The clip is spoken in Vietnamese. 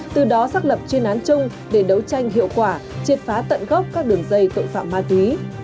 từ đó xác lập chuyên án chung để đấu tranh hiệu quả triệt phá tận gốc các đường dây tội phạm ma túy